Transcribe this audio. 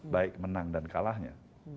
baik menang dan kalahnya